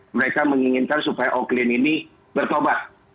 mereka menginginkan supaya oklin ini bertobat